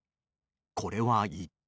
これは一体。